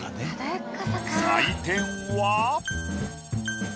採点は。